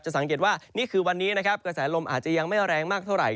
สังเกตว่านี่คือวันนี้นะครับกระแสลมอาจจะยังไม่แรงมากเท่าไห